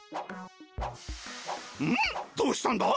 どうしたんだ？